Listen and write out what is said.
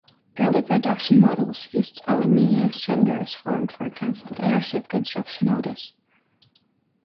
Early production models used aluminum stringers formed for cancelled airship construction orders.